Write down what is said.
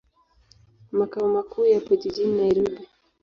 Makao makuu yapo jijini Nairobi.